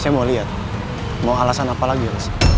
saya mau lihat mau alasan apa lagi